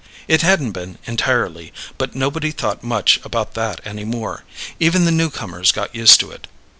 It hadn't been, entirely. But nobody thought much about that any more. Even the newcomers got used to it.